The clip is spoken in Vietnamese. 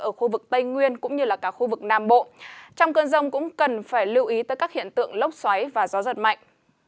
ở khu vực tây nguyên cũng như là cả khu vực nam bộ trong cơn rông cũng cần phải lưu ý tới các hiện tượng lốc xoáy và gió giật mạnh